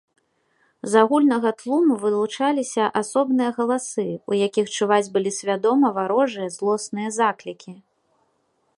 З агульнага тлуму вылучаліся асобныя галасы, у якіх чуваць былі свядома варожыя злосныя заклікі.